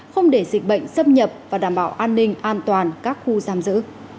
không để dịch bệnh xâm nhập và đảm bảo an ninh an toàn các khu giam giữ